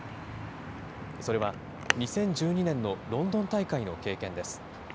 それは、２０１２年のロンドン大会の経験です。